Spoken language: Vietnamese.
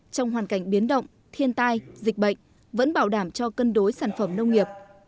trong hoàn cảnh biến động thiên tai dịch bệnh vẫn bảo đảm cho cân đối sản phẩm nông nghiệp